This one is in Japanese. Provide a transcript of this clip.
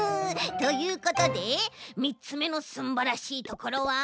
ということで３つめのすんばらしいところはこちらです！